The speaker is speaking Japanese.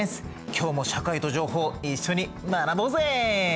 今日も「社会と情報」一緒に学ぼうぜ！